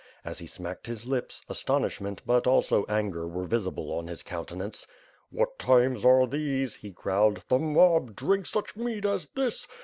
As he smacked his lips, astonishment but also anger were visible on his countenance. "What times are these," he growled, "the mob drink such mead as this!